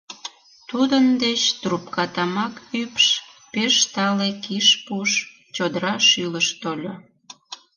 Тудын деч трупка тамак ӱпш, пеш тале киш пуш, чодыра шӱлыш тольо.